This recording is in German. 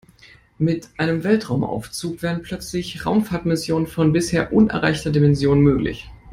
Mit einem Weltraumaufzug wären plötzlich Raumfahrtmissionen von bisher unerreichter Dimension möglich.